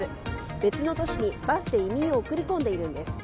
別の都市にバスで移民を送り込んでいるんです。